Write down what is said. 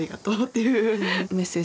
メッセージ。